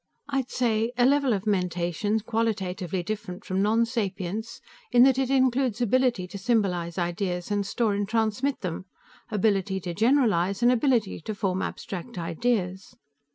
"I'd say: a level of mentation qualitatively different from nonsapience in that it includes ability to symbolize ideas and store and transmit them, ability to generalize and ability to form abstract ideas.